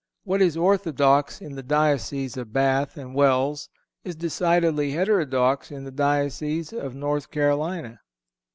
What is orthodox in the diocese of Bath and Wells is decidedly heterodox in the diocese of North Carolina.